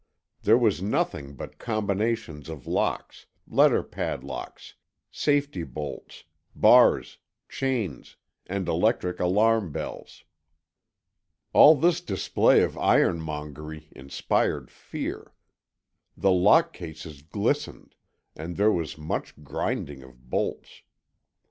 There was nothing but combinations of locks, letter padlocks, safety bolts, bars, chains, and electric alarm bells. All this display of ironmongery inspired fear. The lock cases glistened, and there was much grinding of bolts.